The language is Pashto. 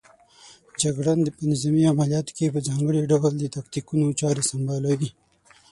جګړن په نظامي عملیاتو کې په ځانګړي ډول د تاکتیکونو چارې سنبالوي.